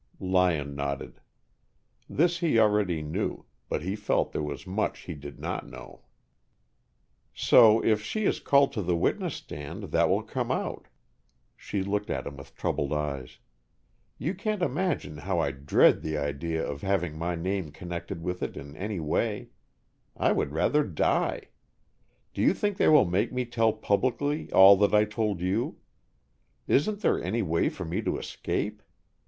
Lyon nodded. This he already knew, but he felt there was much he did not know. "So if she is called to the witness stand, that will come out." She looked at him with troubled eyes. "You can't imagine how I dread the idea of having my name connected with it in any way. I would rather die! Do you think they will make me tell publicly all that I told you? Isn't there any way for me to escape?